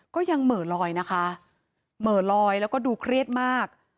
เหมือลอยนะคะเหม่อลอยแล้วก็ดูเครียดมาก